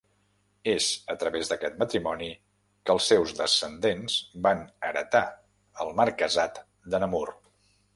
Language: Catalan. És a través d'aquest matrimoni que els seus descendents van heretar el marquesat de Namur.